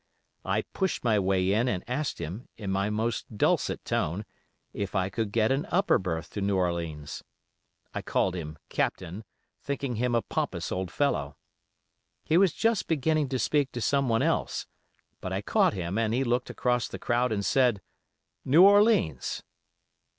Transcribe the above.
I pushed my way in and asked him, in my most dulcet tone, if I could get an upper berth to New Orleans. I called him 'Captain', thinking him a pompous old fellow. He was just beginning to speak to someone else, but I caught him and he looked across the crowd and said 'New Orleans!